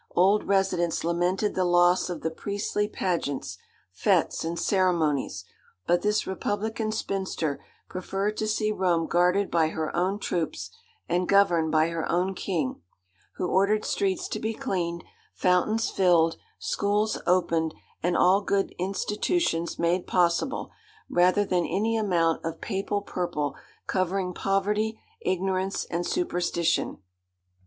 Old residents lamented the loss of the priestly pageants, fêtes, and ceremonies; but this republican spinster preferred to see Rome guarded by her own troops, and governed by her own King, who ordered streets to be cleaned, fountains filled, schools opened, and all good institutions made possible, rather than any amount of Papal purple covering poverty, ignorance, and superstition.